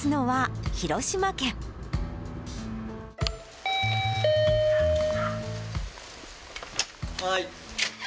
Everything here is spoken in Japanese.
はい。